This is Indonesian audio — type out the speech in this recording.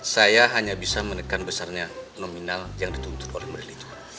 saya hanya bisa menekan besarnya nominal yang dituntut oleh merilis